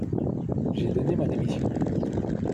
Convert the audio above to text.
J’ai donné ma démission.